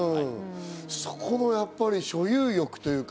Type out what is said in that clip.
そこの所有欲というか。